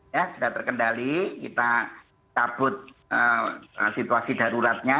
ya sudah terkendali kita cabut situasi daruratnya